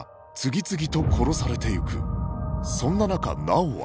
そんな中直央は